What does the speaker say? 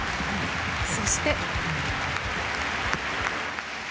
そして。